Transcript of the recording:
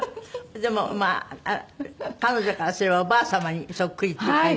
でもまあ彼女からすればおばあ様にそっくりっていう感じ？